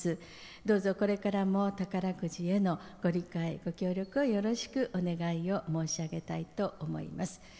どうぞこれからも宝くじへのご理解、ご協力をよろしくお願い申し上げたいと思います。